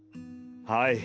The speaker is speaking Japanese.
はい。